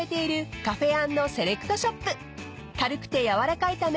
［軽くて軟らかいため